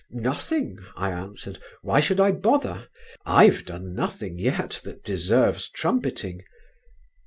"Nothing," I answered, "why should I bother? I've done nothing yet that deserves trumpeting."